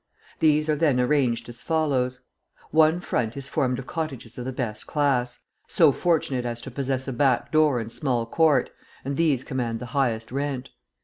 These are then arranged as follows: One front is formed of cottages of the best class, so fortunate as to possess a back door and small court, and these command the highest rent.